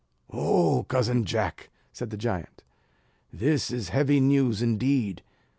"Oh, cousin Jack," said the giant, "This is heavy news indeed!